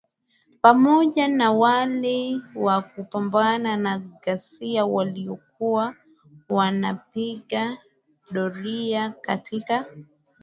pamoja na wale wa kupambana na ghasia walikuwa wanapiga doria katika